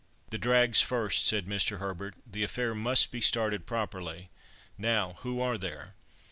"The drags first," said Mr. Herbert, "the affair must be started properly—now, who are there?